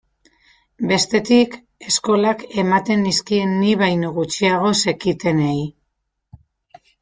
Bestetik, eskolak ematen nizkien ni baino gutxiago zekitenei.